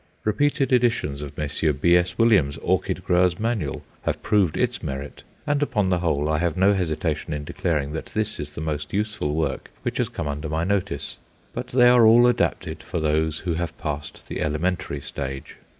Repeated editions of Messrs. B.S. Williams' "Orchid Growers' Manual" have proved its merit, and, upon the whole, I have no hesitation in declaring that this is the most useful work which has come under my notice. But they are all adapted for those who have passed the elementary stage.